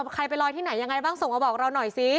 ใครไปลอยที่ไหนยังไงบ้างส่งมาบอกเราหน่อยสิ